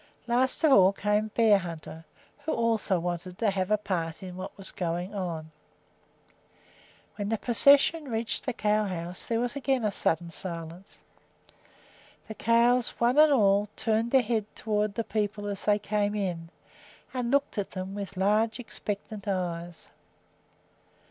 Last of all came Bearhunter, who also wanted to have a part in what was going on. When the procession reached the cow house there was again a sudden silence. The cows, one and all, turned their heads toward the people as they came in, and looked at them with large, expectant eyes.